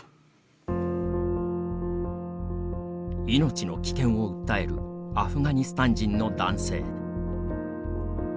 命の危険を訴えるアフガニスタン人の男性。